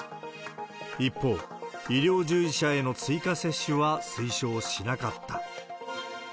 一方、医療従事者への追加接種は推奨しなかった。